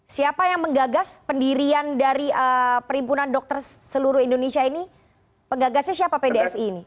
siapa yang menggagas pendirian dari perhimpunan dokter seluruh indonesia ini pengagasnya siapa pdsi ini